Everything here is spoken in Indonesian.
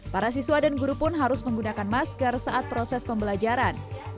para siswa dan guru pun harus menggunakan masker saat proses pembelajaran